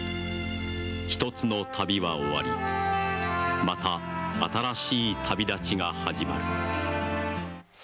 一つの旅は終わりまた新しい旅立ちが始まる。